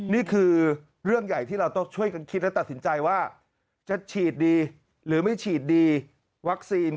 นี่คือเรื่องใหญ่ที่เราต้องช่วยกันคิดและตัดสินใจว่าจะฉีดดีหรือไม่ฉีดดีวัคซีน